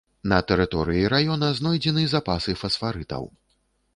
На тэрыторыі раёна знойдзены запасы фасфарытаў.